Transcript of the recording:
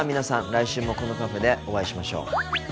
来週もこのカフェでお会いしましょう。